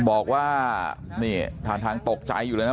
บอกว่านี่ท่าทางตกใจอยู่เลยนะ